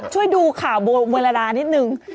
ช่วยดูข่าวโบเมลดานิดหนึ่ง